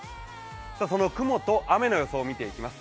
その雲と雨の予想を見ていきます。